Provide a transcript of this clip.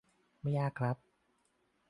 ไม่ยากครับ